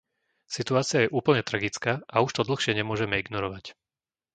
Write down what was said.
Situácia je úplne tragická a už to dlhšie nemôžeme ignorovať.